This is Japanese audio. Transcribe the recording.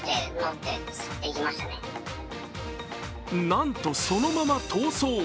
なんとそのまま逃走。